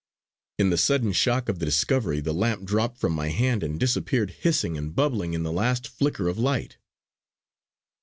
In the sudden shock of the discovery, the lamp dropped from my hand and disappeared hissing and bubbling in the last flicker of light."